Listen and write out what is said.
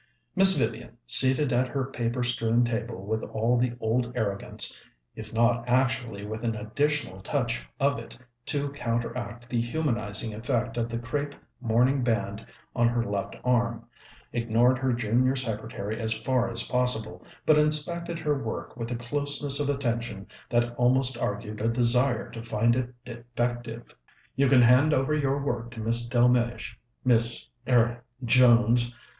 Miss Vivian, seated at her paper strewn table with all the old arrogance, if not actually with an additional touch of it to counteract the humanizing effect of the crêpe mourning band on her left arm, ignored her junior secretary as far as possible, but inspected her work with a closeness of attention that almost argued a desire to find it defective. "You can hand over your work to Miss Delmege, Miss er Jones.